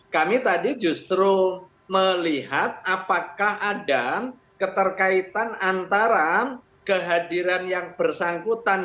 kami tadi justru melihat apakah ada keterkaitan antara kehadiran yang bersangkutan